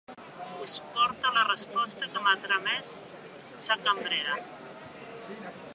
Us porte la resposta que m’ha tramès sa cambrera;